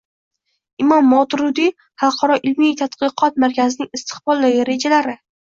Imom Moturidiy xalqaro ilmiy-tadqiqot markazining istiqboldagi rejalari